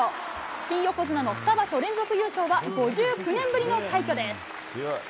新横綱の２場所連続優勝は５９年ぶりの快挙です。